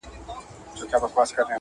چي ښکاري موږکان ټوله و لیدله.